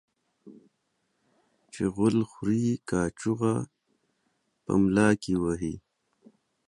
چي غول خوري ، کاچوغه په ملا کې وهي.